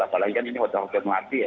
apalagi kan ini hotel hotel mati ya